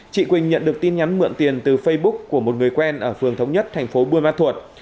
chị quỳnh nhận được tin nhắn mượn tiền từ facebook của một người quen ở phường thống nhất thành phố buôn ma thuột